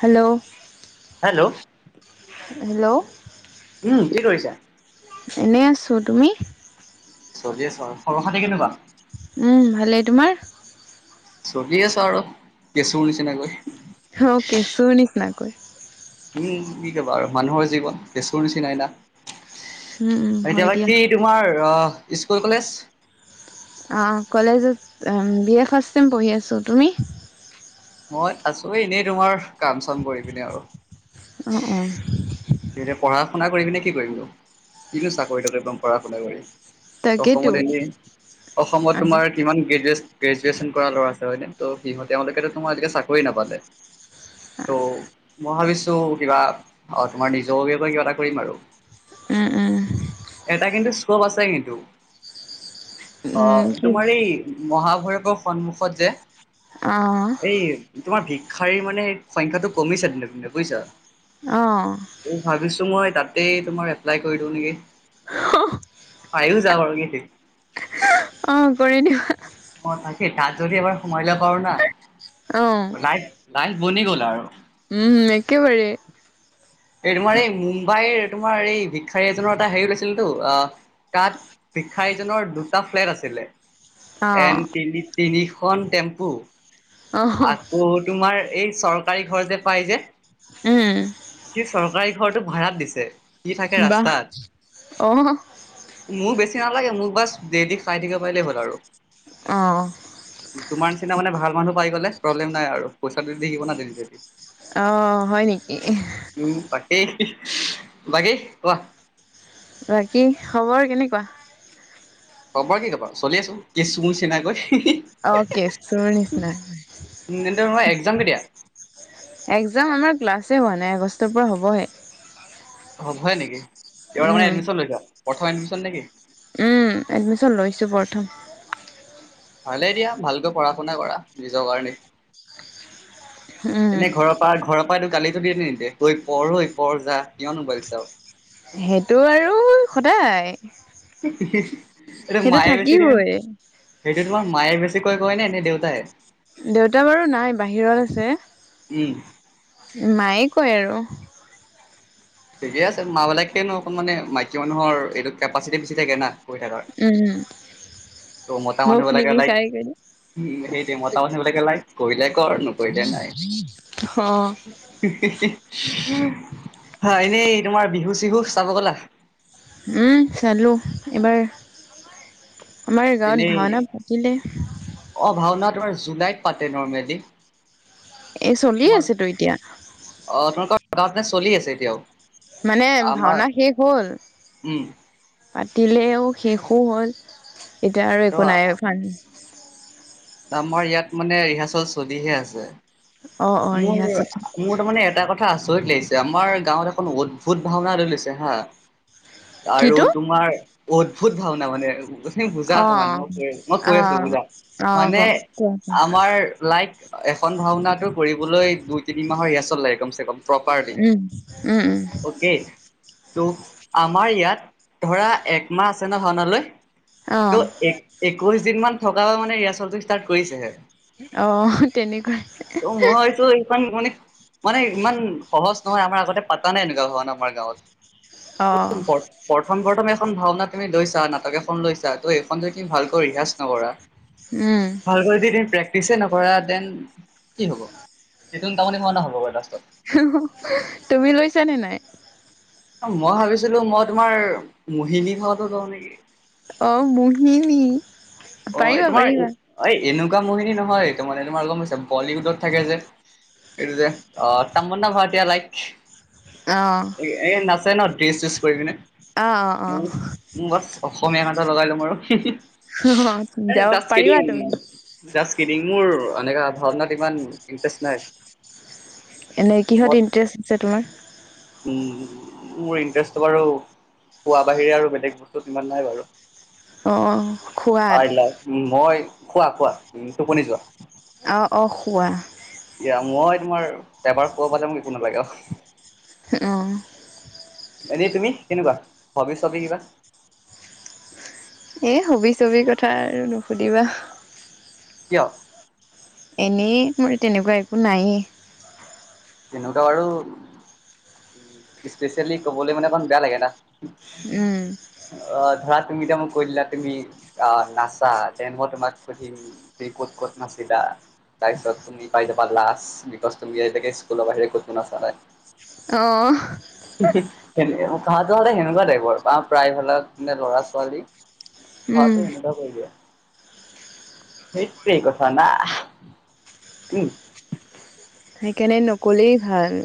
Hello hello hello উম কি কৰিছা? এনেই আছোঁ তুমি? চলি আছোঁ আৰু, খবৰ খাতি কেনেকুৱা? উম ভালেই, তোমাৰ? চলি আছোঁ আৰু কেচুৰ নিচিনাকৈ। অহ কেঁচুৰ নিচিনাকৈ। উম কি কবা আৰু মানুহৰ জীৱন কেচুৰ নিচিনাই না। উম উম হয় এতিয়া দিয়া বাকি তোমাৰ আহ স্কুল কলেজ। অঁ কলেজত অ বি এ ফাৰ্ষ্ট টাইম পঢ়ি আছোঁ, তুমি? মই আছো এ এনেই তোমাৰ কাম চাম কৰি পিনে আৰু। অঁ অঁ। এতিয়া পঢ়া শুনা কৰি পিনে কি কৰিব কিনো চাকৰি তাকৰি পাম পঢ়া শুনা কৰি? তাকেইতো অসমত এনেই, অসমত আজি তোমাৰ কিমান গ্ৰেজুৱে গ্ৰেজুৱেশ্যন কৰা ল'ৰা আছে হয় ত' সিহঁ তেওঁলোকেতো তোমাৰ এতিয়া চাকৰি নাপালে। ত' মই ভাবিছো কিবা তোমাৰ নিজৰেৈ কিবা এটা কৰিম আৰু উম উম এটা কিন্তু স্কপ আছে কিন্তু আহ, উম কি তোমাৰ এই মহাভাৰতৰ সন্মুখত যে অ এই তোমাৰ ভিক্ষাৰীৰ মানে সংখ্যাটো কমিছে দিনক দিনে বুজিছা। অঁ। ভাবিছো মই তাতেই তোমাৰ এপ্লাই কৰি দিওঁ নেকি। আহ [inaudible] আহ যাবাৰ কি [inaudible] অ কৰি দিবা। অ তাকে তাত যদি এবাৰ সোমাই লব পাৰো না, অ লাইফ - লাইফ বনি গ'ল আৰু। উম একেবাৰে। এই তোমাৰ এই মুম্বাইৰ তোমাৰ এই ভিক্ষাৰী এজনৰ এটা হেৰি লৈছিল টো আহ তাত, ভিক্ষাৰীজনৰ দুটা ফ্লেট আছিলে। অ এন, তিনি-তিনিখন টেম্পু। অ আকৌ, তোমাৰ এই, চৰকাৰী ঘৰ যে, পাই যে। উম কি চৰকাৰী ঘৰটো ভাড়াত দিছে? কি থাকে বাহ ৰাস্তাত? অ মোৰ বেছি নালাগে, মোক বাচ, দেইলি খাই থাকিব পাৰিলেই হ'ল আৰু। অ তোমাৰ নিচিনা মানে, ভাল মানুহ! পাই গ'লে প্ৰব্লেম নাই আৰু। পইচাটো দি থাকিব না দেইলি-দেইলি। অ হয় নেকি উম! পাটেই। [unintelligible] বাকী, কোৱা? বাকী, খবৰ কেনেকুৱা? খবৰ কি ক'বা! চলি আছোঁ, কেঁচু নিচিনাকৈ। অ'! কেঁচুৰ নিচিনা। তেন্তে তোমাৰ এক্সাম কেতিয়া একজাম আমাৰ, ক্লাছে হোৱা নাই। আগষ্টৰ পৰা হ'বহে। অ'! হয় নেকি? এইবাৰ তাৰমানে, উম এডমিছন লৈছা, প্ৰথম এডমিছন নেকি? উম, এডমিছন লৈছোঁ, প্ৰথম। ভালেই দিয়া! ভালকৈ পঢ়া- শুনা কৰা, নিজৰ কাৰণে। উম! প্ৰায় ঘৰৰ পৰাই, গালিতো দিয়ে নে নিদিয়ে? ঐ পঢ় এই, পঢ় যা, কিমান ম'বাইল চাওঁ। সেইটো আৰু সদায়। [unintelligible] এইটো সেইটো মায়ে বেছি দিয়েনে, থাকিবই সেইটো, তোমাৰ মায়ে বেছি বেছিকৈ কৈনে, নে দেউতাই? দেউতা বাৰু নাই, বাহিৰত আছে। উম! মায়ে কয় আৰু ঠিকে আছে মা বিলাকেনো অকণ মানে মাইকী মানুহৰ এইটো কেপাচিটি বেছি থাকে না। কৰি থকাৰ। উম। ত' মোতা মুখ মানুহবিলাকে লাইক নিবিষাই কৰি উ সেইটোৱে মতামানুহবিলাকে লাইক কৰিলে কৰ নকৰিলে নাই! অ হি', হি', হয় এনেই তোমাৰ বিহু চিহু চাব গলা? উম চালো এবাৰ আমাৰ গাঁৱত এনেই ভাওনা পাতিলে। অ ভাওনা জুলাইত পাতে নৰ্মেলি। এ চলিয়ে আছেতো এতিয়া। তাহাত নে চলি আছে এতিয়াও। মানে আমাৰ ভাওনা শেষ হ'ল। উম পাতিলেও শেষো হ'ল এতিয়া আৰু ত একো নাই ভাল। আমাৰ ইয়াত মানে ৰিহাৰ্চেল চলিহে আছে। অ অ মোৰ, ৰিহাচত মোৰ তাৰ মানে এটা কথা হাঁ চৰিত লাগিছে আমাৰ গাঁৱত এখন অদ্ভুত ভাওনা লৈছে হাঁ। আৰু কিটো তোমাৰ অদ্ভুত ভওনা মানে বুজা অকমান অ', মই কৈ - মই কৈ আছো অ', বুজা অ', ক মানে কোৱা কোৱা। আমাৰ লাইক এখন ভাওনাটো কৰিবলৈ দুই তিনি মাহৰ ৰিহচল লাগ কম উম, উম, উম, প্ৰপাৰটিকে ত আমাৰ ইয়াত ধৰা একমাহ আছে ন ভাওনালৈ অ', ত' এক - একৈশ দিন ম থকা মানে ৰিয়াৰ্চলটো ষ্টাৰ্ট কৰিছেহে। অ, তেনেকুৱাই ত' মইছো এইখন মানে মানে ইমান সহজ নহয় আমাৰ আগতে পাতা নাই এনেকুৱা ঘণ আমাৰ গাঁৱত প্ৰথম অ', ঘৰ প্ৰথম এখন ভাওনা তুমি লৈছা নাটক এখন লৈছা ত সখন তুমি ভালকৈ ৰিহাজ নকৰা উম, ভাল কৰি যদিন প্ৰেক্টিছে নকৰা দেন কি হ'ব সেইটো তামনি খোৱা ন হ'ব বাৰু লাষ্টত। তুমি লৈছানে নাই? মই ভাবিছিলো মই তোমাৰ মোহিনী খোৱাাতো কওঁ নেকি অ, মোহিনী অ, তোমাৰ এই এনেকুৱা মহিনী নহয় তাৰ মানে তোমাৰ অলম হৈছে বলীউডত থাকে যে। এইটো যে অ, তামনা ভটিয়া লাইক। অ', এ-এ নাচায় ন ড্ৰেছ চেচ কৰি পিনে অ', অ', ম বছ অসমীয়া মাজত লগাই লম আৰু অ', এ যাব যাষ্ট পাৰিবা কিদ্দিং তুমি। যাষ্ট মোৰ এণেকা ভাওনাত ইমান ইনটাৰেষ্ট নাই। এনেই কিহত মত ইণ্টাৰেষ্ট আছে তোমাৰ? উম মোৰ ইণ্টাৰেষ্টটো বাৰু শুৱা বাহিৰে আৰু বেলেগ বস্তুত ইমান নাই বাৰু। অ খোৱাত [unintelligible] মই শুৱা শুৱা উ টোপনি যোৱা। অ অ শুৱা। এয়া মই তোমাৰ এবাৰ শুব পালে মোক একো নালাগে আৰু। অ অ। এনে তুমি কেনেকুৱা, হবি ছবি কিবা? এই হবি ছবিৰ কথা আৰু নুসুধিবা। কিয়? এনেই মোৰ তেনেকুৱা একো নায়ে। তেনেকুৱা বাৰু উ স্পেচিয়েলি কবলৈ মানে অকমান বেয়া লাগে না। উম। অ ধৰা তুমি এতিয়া মোক কৈ দিলা তুমি অ নাচা দে মই তোমাক সুধিম ক'ত ক'ত নাচিবা তাৰপিছত তুমি পাই যাবা লাজ বিকজ তুমি [unintelligible] স্কুলৰ বাহিৰে কটো নাছা নাই। অ কথাটো সদাই সেনেকুৱা টাইপৰ, প্ৰায় ভালত লৰা ছোৱালী। [unintelligible] উম। সেনেকোৱা কৰি দিয়ে। সেইটোৱে কথা না। সেইকাৰণে নক'লেই ভাল।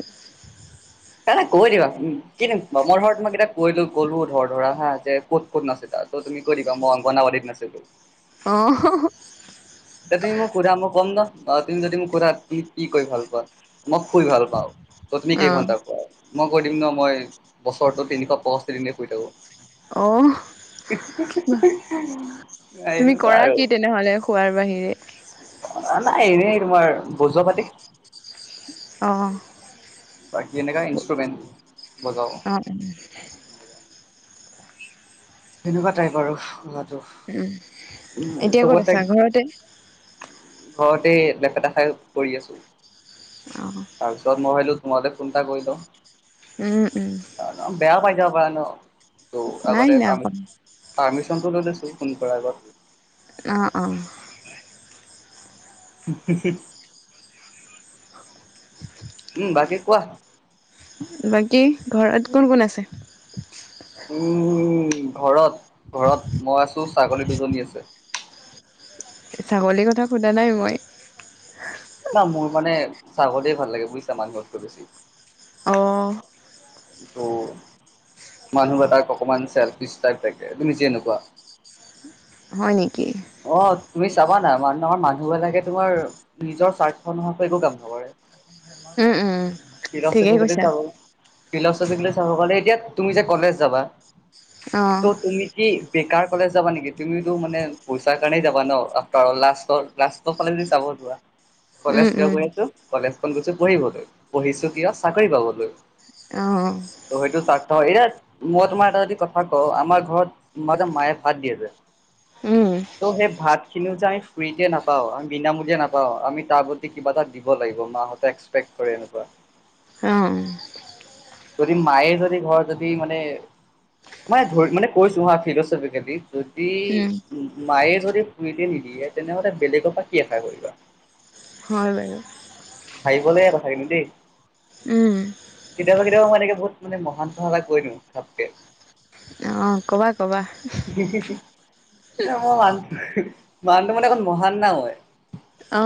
নাই - নাই কৈ দিবা উম, কি দিম মই ধৰা তোমাক এতিয়া কৈলো গলো ধৰ ধৰা হা যে ক'ত - ক'ত নাচ তা তুমি কৰিব পা মই অংগনাাীত নাছিল তো [unintelligible] অহ ', এয়া তুমি মই ঘুৰা মই ক'ম ন তুমি যদি মোক ঘুৰা তুমি কি কৰি ভাল পোৱা? মই শুই ভাল পাওঁ। ত'তনী অহ কেইঘণ্টা প মই কৈ দিম ন মই বছৰটো তিনিশ পয়ষ্ঠি দনে শুই থাকোঁ। অহ [unintelligible] তুমি এনেকুৱা কৰা আৰু কি তেনেহ'লে খোৱাৰ বাহিৰে? নাই এনেই তোমাৰ বোজ পাতি অ', বাকি এনেুৱা ইন্ষ্ট্ৰুমেট। অ ', অ ', সেনেকুৱা টাইপ আৰু শোৱাটো উম, এতিয়া ক'ত চবতে আছা ঘৰতে ঘৰতে লেপেটা খাই কৰি আছো। অ তাৰপিছত মই ভলো তোমতে ফোন এটা কৰি লও। উম-উম। বেয়া পাই যাব প ন ত' নাই আগতে প নাই পাৰ্মিশনটো লৈ লৈছোঁ। ফোন কৰ আগত অ', অ', [unintelligible] উম, বাকী কোৱা? বাকী ঘৰত কোন - কোন আছে? উম ঘৰত ঘৰত মই আছো ছাগলী দুজনী আছে। ছাগলীৰ কথা সোধা নাই মই। না মোৰ মানে ছাগলীয়ে ভাল লাগে বুজিছা মানুহতকৈ বেছি। অ ত মানুহ এটাক অকমান চেলফিচ টাইপ থাকে তুমি যেনেকুৱা। হয় নেকি? অ তুমি চাবা না মানমাৰ মানুহবিলাকে তোমাৰ নিজৰ স্বাৰ্থ নোহোৱাকে একো কাম নকৰে। উম উম। ফিলোচফি ঠিকেই [unintelligible] কৈছা চাব, ফিলোচফিক লৈ চাব গ'লে, এতিয়া তুমি যে কলেজ যাবা অ ত তুমি কি বেকাৰ কলেজ যাবা নেকি তুমিটো মানে পইচাৰ কাৰণেই যাবা ন আফটাৰ লাষ্টৰ লাষ্টৰ ফালে যদি চাব কলেজ উম কিয় উম কৰি আছো কলেজখন গৈছো পঢ়িবলৈ। পঢ়িছো কিয় চাকৰি পাবলৈ। অঁ হয়টো স্বাৰ্থ হয় এতিয়া মই তোমাৰ এটা যদি কথা কওঁ আমাৰ ঘৰত ম যে মায়ে ভাত দিয়ে যে উম ত' সেই ভাত খিনিও যে আমি ফ্ৰীতে নাপাওঁ আমি বিনামূলিয়া নাপাওঁ আমি তাৰ প্ৰতি কিবা এটা দিব লাগিব। মাহঁতে এক্সপেক্ট কৰে এনেকুৱা অ যদি মায়ে যদি ঘৰত যদি মানে মান ধৰি মানে কৈছো হা ফিলচফিকেদি যদি উম মায়ে যদি ফ্ৰীতে নিদিয়ে তেনেহলে বেলেগৰ পৰা কি আশা কৰিবা? হয় বাৰু ভাবিব লগা কথা কিন্তু দেই। উম, কেতিয়াবা - কেতিয়াবা মই এনেকে বহুত মানে মহান্তহাৱটা কৈ দিওঁ চবকে। অ, ক'বা - ক'বা। মই মানুটো - মানুটো মানে অক মহান নাও হয়। অ,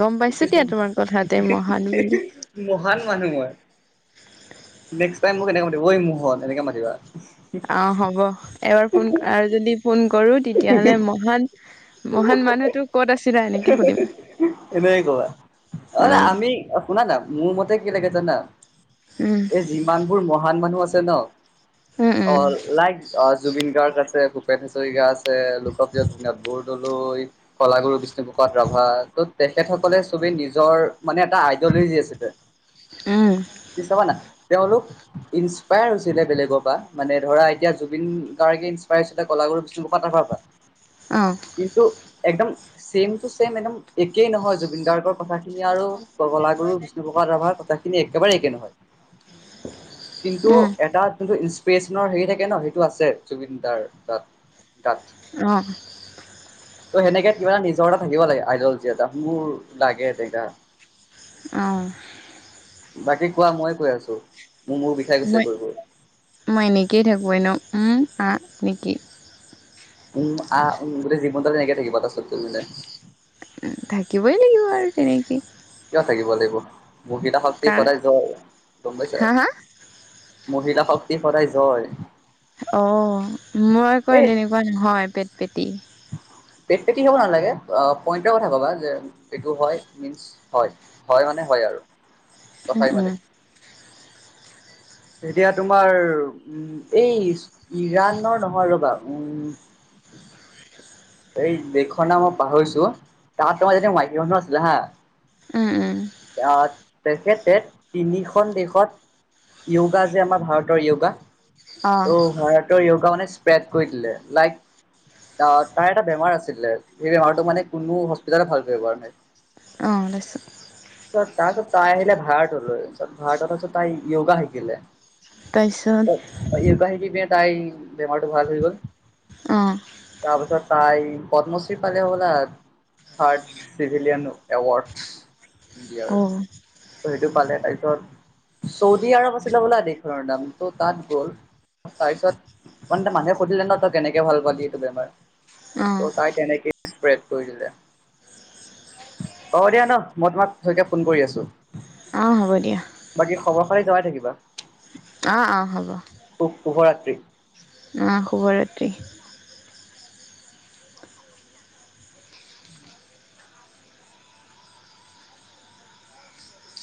গম পাইছো দিয়া তোমাৰ কথাতে মহান বুলি। উহ, মহান মানুহ হৈ মোক এ মাতিব ঐ মহত এনেকে মাতিবা। অ, হ'ব এবাৰ ফোন আৰু যদি ফোন কৰো তেতিয়াহলে মহান মহান মানুহ তটো ক'ত আছে। [unintelligible] সনেয়ে কবা অ মানে আমি শুনানা মোৰ মতে কি লাগে জানা উম এই যিমানবোৰ মহান মানুহ আছে ন উম অ, উম লাইক অ, জুবিন গাৰ্গ আছে ভূপেন হাজৰিকা আছে লোকপ্ৰিয় জুনাথ বৰদলৈ কলাগুৰু বিষণু প্ৰসাদ ৰাভা ৰাভা ত তেখেতসকলে ছব নিজৰ মানে এটা আইডিয়লজি আছিল। উম, পাব না তেওঁলোক ইনস্পায়াৰ হৈছিলে বেলেগৰ পৰা মানে ধৰা এতিয়া জুবিন গাৰ্গে- ছিল কলাগুৰু অ কিন্তু একদম ছেম টু চছেম একদম একেই নহয় জুবিন গাৰ্গৰ কথাখিনি আৰু গলাাগুৰু বিষ্ণুপ্ৰসাদ ৰাভাৰ কথা একেবাৰে একে নহয়। কিন্তু উম এটা যোনটো ইনসপিৰেশচনৰ হেৰি থাকে ন সেইটো আছে জুবিনদাৰ তাত। তাত। অ', ত' সেনেকে কিবা নিজৰ এটা থাকিব লাগে আইডলজি এটা, মোৰ লাগে অ বাকী কোৱা মইয়ে কৈ আছো, মোৰ, মোৰ বিষাই গৈছে মই কৈ কৈ। মই এনেকেই থাকো এ ন, উম আ নেকি। উম আ উম, গোটেই জীৱন ডাল এনেকে থাকিব, তাছত গৈ কিনে। থাকিবই লাগিব আৰু তেনেকৈ। কিয় থাকিব লাগিব, মহিলা শক্তি কাৰণ সদায় জয়, গম পাইছা। হা হা মহিলা শক্তি সদায় জয়। অ মই আক এই তেনেকুৱা নহয় পেট পেটি। পেট পেটি হব নালাগে, অ পইণ্টৰ কথা কবা যে এইটো হয় মিনছ হয়, হয়। মানে হয় আৰু কথা উম ইমানে। উম এতিয়া তোমাৰ উম, এই ইৰাণৰ নহয় ৰ'বা, উম। [inaudible] এই দেশখনৰ মই পাহৰিছো, তাত তোমাৰ এজনী মাইকী মানু্হ আছিলে হা। উম উম আ তেখেতে তিনিখন দেশত য়োগা যে আমাৰ ভাৰতৰ য়োগা, অ ত' ভাৰতৰ য় স্প্ৰেড কৰি দিলে লাইক তাৰ, তাৰ এটা বেমাৰ আছিলে, সেই বেমাৰটো মানে কোনো হস্পিতালে ভাল কৰিব পৰা নাই। আলাছ। চ' তাৰপাছত তাই আহিলে ভাৰতলৈ, চ ভাৰতৰ পিছত তাই য়গা শিকিলে। তাৰপিছত? তাই বেমাৰটো ভাল হৈ গল। অ। তাৰপিছত তাই, পদ্মশ্ৰী পালে হবলা থাৰ্ড চিভিলিয়ান এৱাৰ্ডচ ইয়াৰ অ ত সেইটো পালে, তাৰপিছত চৌদি আৰব আছিলে হবলা দেশখনৰ নাম, ত' তাত গ'ল তাৰপিছত মানে এতিয়া মানুহে সুধিলে ন তই কেনেকে ভাল পালি এইটো বেমাৰ? অঁ ত' তাই তেনেকেই স্প্ৰেড কৰি দিলে হ'ব দিয়া ন? মই তোমাক পিছতকে ফোন কৰি আছোঁ। অ', হ'ব দিয়া। বাকী খবৰ খালি যাই থাকিবা। অ', অ', হ'ব। শু শুভৰাত্ৰি। উম, শুভৰাত্ৰি।